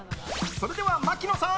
それでは、槙野さん！